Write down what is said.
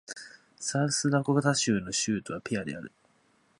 サウスダコタ州の州都はピアである